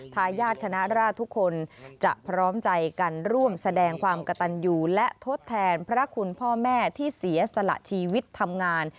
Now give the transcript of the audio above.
ทายาทคณะราชทุกคนจะพร้อมใจกันร่วมแสดงความกระตันอยู่และทดแทนพระคุณพ่อแม่ที่เสียสละชีวิตทำงาน